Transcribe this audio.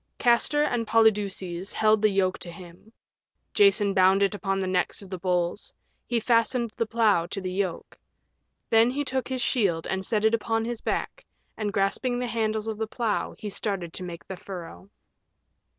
Castor and Polydeuces held the yoke to him. Jason bound it upon the necks of the bulls. He fastened the plow to the yoke. Then he took his shield and set it upon his back, and grasping the handles of the plow he started to make the furrow.